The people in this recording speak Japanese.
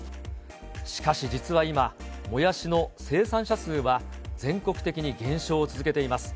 しかし、実は今、もやしの生産者数は全国的に減少を続けています。